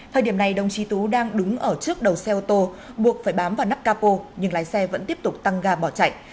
thời điểm này đồng chí tú đang đứng ở trước đầu xe ô tô buộc phải bám vào nắp capo nhưng lái xe vẫn tiếp tục tăng ga bỏ chạy